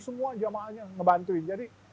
semua jamaahnya ngebantuin jadi